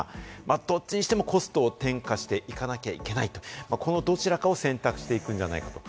どっちにしてもコストを転嫁していかなきゃいけないと、このどちらかを選択していくんじゃないかと。